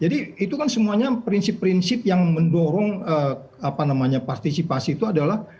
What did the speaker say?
jadi itu kan semuanya prinsip prinsip yang mendorong partisipasi itu adalah